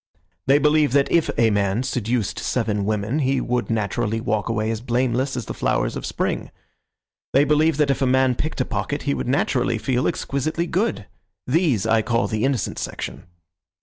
They believe that if a man seduced seven women he would naturally walk away as blameless as the flowers of spring. They believe that if a man picked a pocket he would naturally feel exquisitely good. These I call the innocent section."